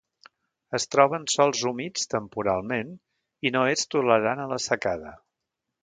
Es troba en sòls humits temporalment i no és tolerant a la secada.